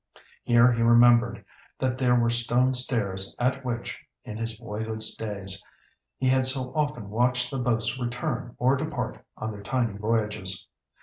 Here he remembered that there were stone stairs at which, in his boyhood's days, he had so often watched the boats return or depart on their tiny voyages.